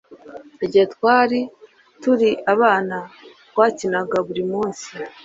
Igihe twari tukiri abana twakinaga buri munsi